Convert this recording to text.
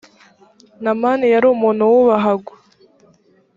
namani yari umuntu wubahwaga.